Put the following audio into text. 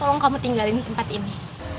tolong kamu tinggalin di tempat ini